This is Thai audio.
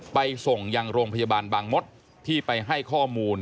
ไปส่งยังโรงพยาบาลบางมศที่ไปให้ข้อมูล